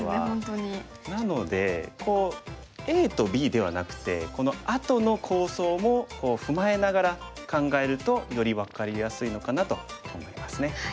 なのでＡとＢではなくてこのあとの構想も踏まえながら考えるとより分かりやすいのかなと思いますね。